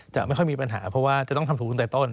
จะไม่ค่อยมีปัญหาอยู่เพราะว่าต้องทำถูกจนต่อต้น